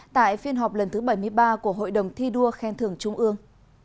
tại phiên họp lần thứ bảy mươi ba của hội đồng thi đua khen thưởng trung ương